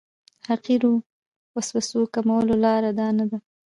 د حقیرو وسوسو کمولو لاره دا نه ده.